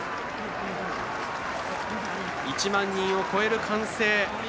１万人を超える歓声。